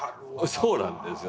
そうなんですよ。